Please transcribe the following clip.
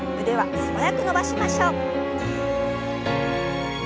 腕は素早く伸ばしましょう。